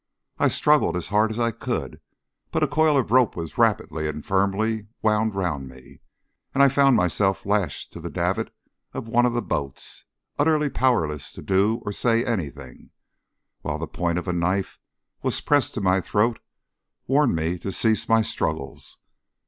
I struggled as hard as I could, but a coil of rope was rapidly and firmly wound round me, and I found myself lashed to the davit of one of the boats, utterly powerless to do or say anything, while the point of a knife pressed to my throat warned me to cease my struggles.